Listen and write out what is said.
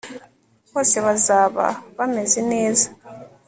bose bazaba bameze neza